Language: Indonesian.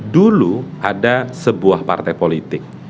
dulu ada sebuah partai politik